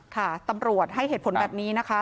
ค่ะตำรวจให้เหตุผลแบบนี้นะคะ